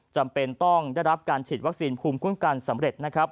จำเป็นต้องได้รับการฉีดวัคซีนภูมิคุ้มกันสำเร็จนะครับ